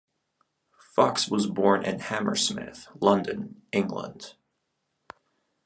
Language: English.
Fox was born in Hammersmith, London, England.